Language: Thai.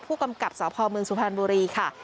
ผู้กำกับสพเมืองสุพรรณบุรีค่ะ